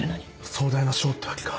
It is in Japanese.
壮大なショーってわけか。